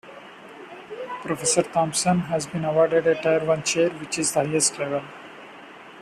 Professor Thompson has been awarded a Tier I chair, which is the highest level.